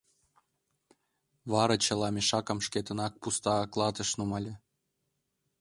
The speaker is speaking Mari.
Вара чыла мешакым шкетынак пуста клатыш нумале.